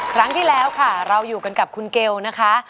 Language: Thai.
ครั้งที่แล้วค่ะเราอยู่กันกับคุณเกลนะคะ